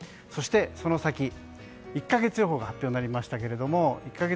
そして、その先ですが１か月予報が発表になりました。